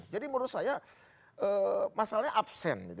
jadi menurut saya masalahnya absen